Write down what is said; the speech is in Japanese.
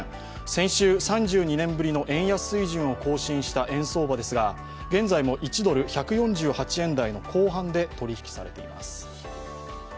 先週３２年ぶりの円安水準を更新した円相場ですが現在も１ドル＝１４８円台の後半で取り引きされています。